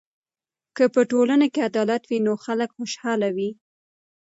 که په ټولنه کې عدالت وي نو خلک خوشحاله وي.